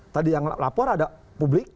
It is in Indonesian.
tadi yang lapor ada publik